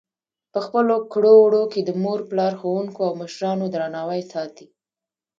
په خپلو کړو وړو کې د مور پلار، ښوونکو او مشرانو درناوی ساتي.